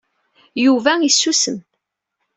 Yuba isusem.